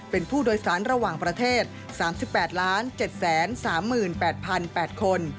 เป็นผู้โดยสารระหว่างประเทศ๓๘๗๓๘๘คน